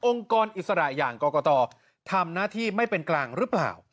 กรอิสระอย่างกรกตทำหน้าที่ไม่เป็นกลางหรือเปล่า